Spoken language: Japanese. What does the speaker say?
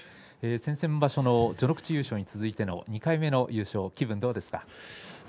先々場所の序ノ口優勝に続いて２回目優勝の気分はどうですか。